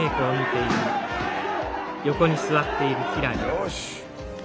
よし。